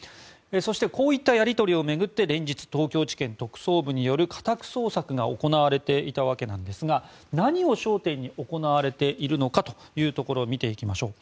そしてこういったやり取りを巡って連日、東京地検特捜部による家宅捜索が行われていたわけなんですが何を焦点に行われているのかというところを見ていきましょう。